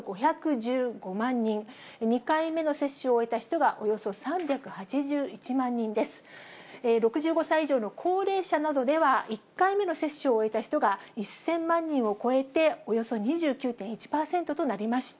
６５歳以上の高齢者などでは、１回目の接種を終えた人が１０００万人を超えて、およそ２９．１％となりました。